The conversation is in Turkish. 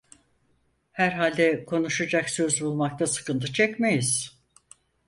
Herhalde konuşacak söz bulmakta sıkıntı çekmeyiz…